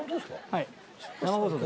はい。